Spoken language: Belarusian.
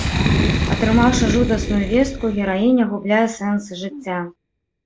Атрымаўшы жудасную вестку, гераіня губляе сэнс жыцця.